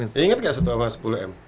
ingat gak satu emas sepuluh m